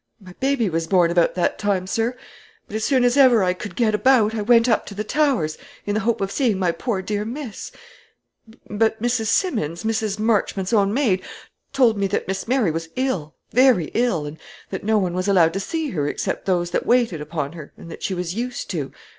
My baby was born about that time, sir; but as soon as ever I could get about, I went up to the Towers, in the hope of seeing my poor dear miss. But Mrs. Simmons, Mrs. Marchmont's own maid, told me that Miss Mary was ill, very ill, and that no one was allowed to see her except those that waited upon her and that she was used to.